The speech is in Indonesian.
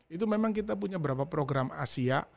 itu memang kita punya beberapa program asia